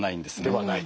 ではない？